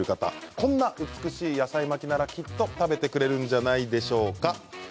こんな美しい野菜巻きならきっと食べてくれるんじゃないでしょうか。